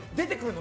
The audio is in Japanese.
の